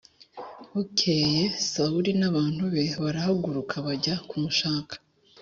Bukeye Sawuli n’abantu be barahaguruka bajya kumushaka